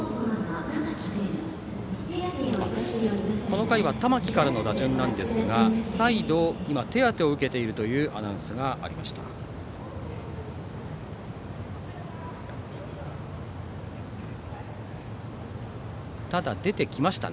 この回は玉木からの打順なんですが再度、手当てを受けているというアナウンスがありました。